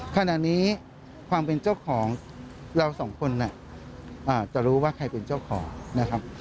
ขณะนี้ความเป็นเจ้าของเราสองคนจะรู้ว่าใครเป็นเจ้าของนะครับ